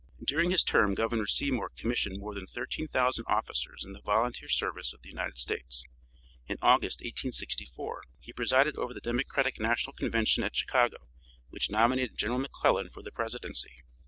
During his term Governor Seymour commissioned more than 13,000 officers in the volunteer service of the United States. In August 1864 he presided over the Democratic National Convention at Chicago which nominated General McClellan for the presidency.